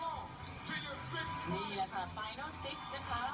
ข้อมูลเข้ามาดูครับ